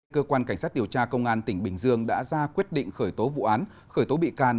cơ quan cảnh sát điều tra công an tỉnh bình dương đã ra quyết định khởi tố vụ án khởi tố bị can